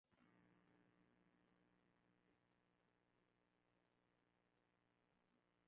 tangu mwanzo tu hakuna upande wowote katika hiyo ndoa